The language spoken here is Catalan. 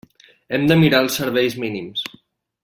Hem de mirar els serveis mínims.